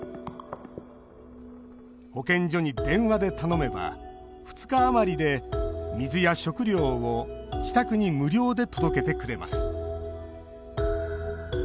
保健所に電話で頼めば２日余りで、水や食料を自宅に無料で届けてくれます。